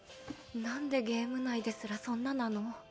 何でゲーム内ですらそんななの？